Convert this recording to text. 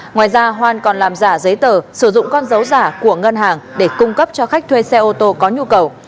ngoài ra hoan còn làm giả giấy tờ sử dụng con dấu giả của ngân hàng để cung cấp cho khách thuê xe ô tô có nhu cầu